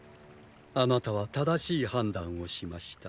あなたは正しい判断をしました。